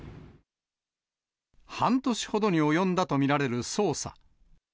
半年ほどに及んだと見られる捜査。